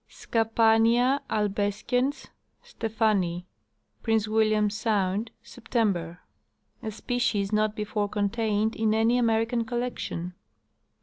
Scapania albescens, Stephani. Prince William sound, September. A species not before contained in any American collection.